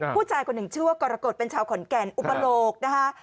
ผู้ชายคนหนึ่งชื่อว่ากรกฎเป็นชาวขอนแก่นอุปโลกนะคะ